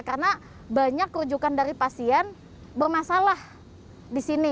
karena banyak kerujukan dari pasien bermasalah di sini